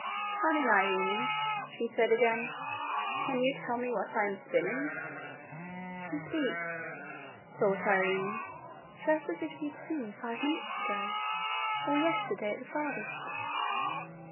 'Come in, Irene,' she said again. 'Can you tell me what I am spinning?' 'She speaks,' thought Irene, 'just as if she had seen me five minutes ago, or yesterday at the farthest.